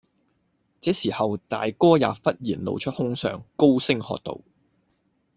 這時候，大哥也忽然顯出凶相，高聲喝道，